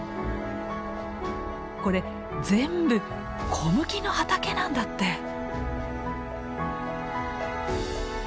これ全部小麦の畑なんだって！